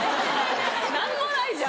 何もないじゃん。